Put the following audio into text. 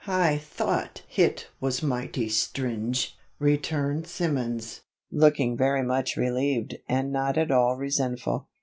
"Hi thought hit was mighty stringe," returned Simmons, looking very much relieved and not at all resentful.